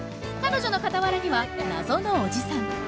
彼女の傍らには謎のおじさん。